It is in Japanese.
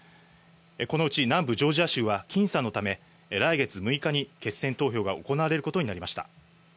このうち、南部ジョージア州は僅差のため、来月６日に決選投票が行われることになりました。